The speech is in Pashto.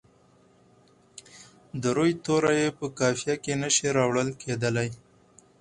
د روي توري یې په قافیه کې نه شي راوړل کیدلای.